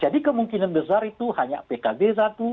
jadi kemungkinan besar itu hanya pkb satu